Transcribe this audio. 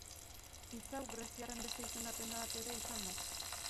Hitz hau, greziarren beste izendapen bat ere izan da.